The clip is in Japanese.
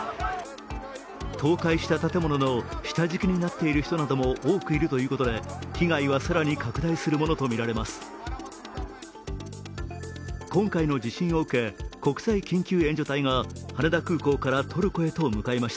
倒壊した建物の下敷きになっている人なども多くいるということで被害は更に拡大するものとみられます。